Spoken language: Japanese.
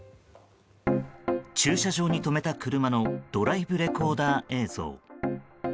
駐車場に止めた車のドライブレコーダー映像。